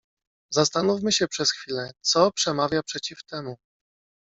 "Zastanówmy się przez chwilę, co przemawia przeciw temu."